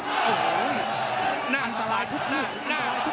อันตรายทุกนิด